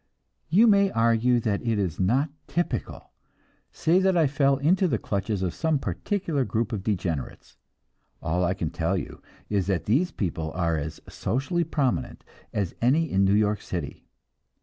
You may argue that this is not typical; say that I fell into the clutches of some particular group of degenerates. All I can tell you is that these people are as "socially prominent" as any in New York City.